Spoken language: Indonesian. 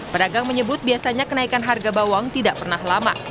pedagang menyebut biasanya kenaikan harga bawang tidak pernah lama